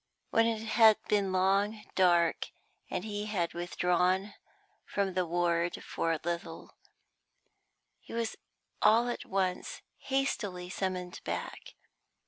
When it had been long dark, and he had withdrawn from the ward for a little, he was all at once hastily summoned back.